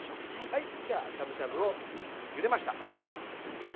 はいじゃあしゃぶしゃぶをゆでました。